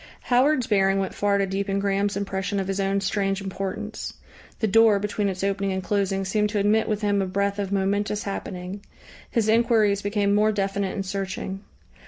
Howard's bearing went far to deepen Graham's impression of his own strange importance; the door between its opening and closing seemed to admit with him a breath of momentous happening. His enquiries became more definite and searching.